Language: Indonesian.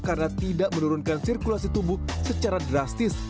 karena tidak menurunkan sirkulasi tubuh secara drastis